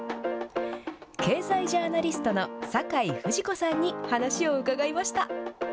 経済ジャーナリストの酒井富士子さんに話を伺いました。